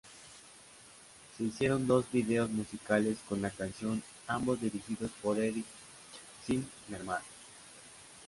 Se hicieron dos vídeos musicales para la canción, ambos dirigidos por Eric Zimmerman.